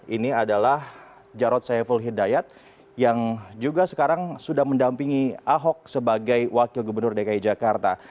ini adalah jarod saiful hidayat yang juga sekarang sudah mendampingi ahok sebagai wakil gubernur dki jakarta